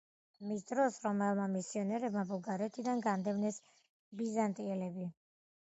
მის დროს რომაელმა მისიონერებმა ბულგარეთიდან განდევნეს ბიზანტიელები.